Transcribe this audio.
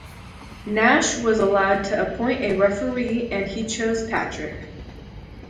Nash was allowed to appoint a referee and he chose Patrick.